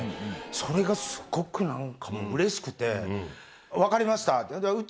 それがすごく何かうれしくて分かりました！